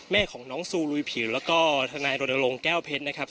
แม่ของน้องซูลุยผิวแล้วก็ทนายรณรงค์แก้วเพชรนะครับ